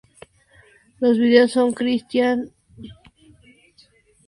Los vídeos son Cristian Taraborrelli.